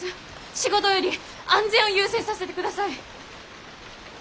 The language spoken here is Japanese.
仕事より安全を優先させてください！